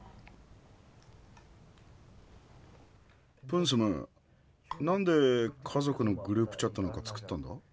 プンスムなんで家族のグループチャットなんか作ったんだ？